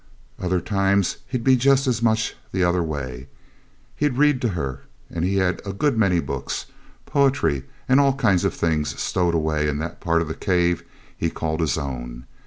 Other times he'd be just as much the other way. He'd read to her, and he had a good many books, poetry, and all kinds of things stowed away in the part of the cave he called his own.